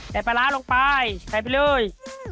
ปลาร้าลงไปใส่ไปเลย